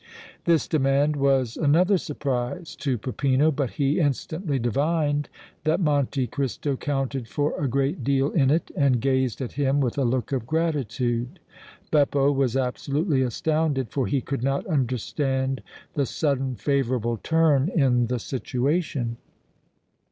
This demand was another surprise to Peppino, but he instantly divined that Monte Cristo counted for a great deal in it and gazed at him with a look of gratitude. Beppo was absolutely astounded, for he could not understand the sudden, favorable turn in the situation.